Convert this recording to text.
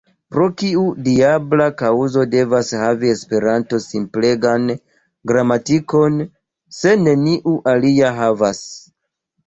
Pro kiu diabla kaŭzo devas havi Esperanto simplegan gramatikon, se neniu alia havas?